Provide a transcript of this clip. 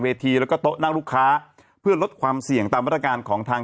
ทีแล้วก็โต๊ะนั่งลูกค้าเพื่อลดความเสี่ยงตามมาตรการของทาง